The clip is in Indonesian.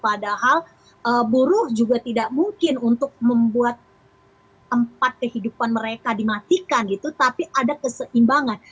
padahal buruh juga tidak mungkin untuk membuat tempat kehidupan mereka dimatikan gitu tapi ada keseimbangan